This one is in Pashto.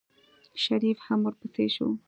شريف هم ورپسې شو.